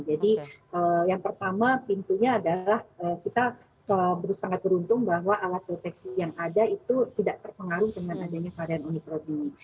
jadi yang pertama pintunya adalah kita sangat beruntung bahwa alat deteksi yang ada itu tidak terpengaruh dengan adanya varian omikron ini